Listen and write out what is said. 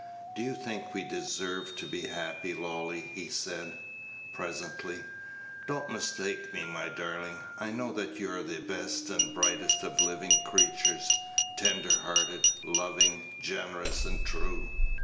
"Do you think we deserve to be happy, Lolly?" he said, presently. "Don't mistake me, my darling. I know that you're the best and brightest of living creatures tender hearted, loving, generous, and true.